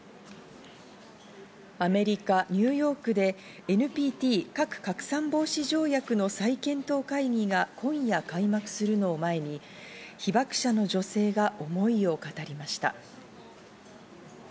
アメリカ・ニューヨークでＮＰＴ＝核拡散防止条約の再検討会議が今夜開幕するのを前に被爆者の女性が思いを語りました。